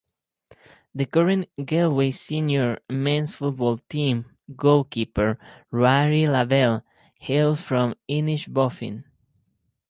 The current Galway Senior Mens Football team goalkeeper, Ruairi Lavelle, hails from Inishbofin.